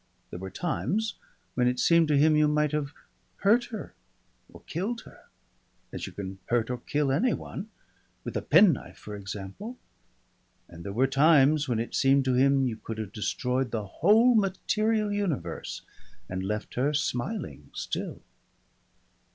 There were times when it seemed to him you might have hurt her or killed her as you can hurt and kill anyone with a penknife for example and there were times when it seemed to him you could have destroyed the whole material universe and left her smiling still.